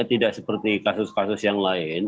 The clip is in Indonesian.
tidak seperti kasus kasus yang lain